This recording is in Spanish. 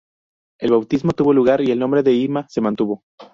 El bautismo tuvo lugar, y el nombre de Ima se mantuvo".